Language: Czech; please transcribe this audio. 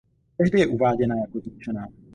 Tehdy je uváděna jako zničená.